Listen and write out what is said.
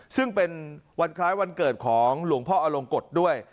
ซึ่งเป็นวันคล้ายวันเกิดของหลวงพ่ออลงกฎด้วย